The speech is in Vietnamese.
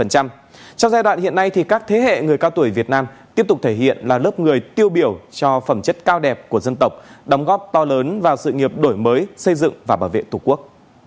trong giai đoạn hiện nay thì các thế hệ người cao tuổi việt nam tiếp tục thể hiện là lớp người tiêu biểu cho phẩm chất cao đẹp của dân tộc đóng góp to lớn vào sự nghiệp đổi mới xây dựng và bảo vệ tổ quốc